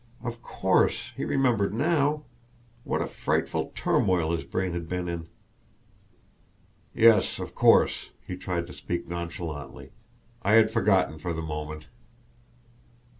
Of course, he remembered now! What a frightful turmoil his brain had been in! "Yes; of course!" He tried to speak nonchalantly. "I had forgotten for the moment."